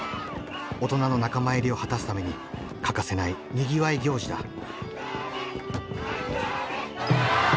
大人の仲間入りを果たすために欠かせない賑わい行事だ。